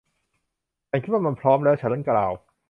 ฉันคิดว่ามันพร้อมแล้ว. ฉันกล่าว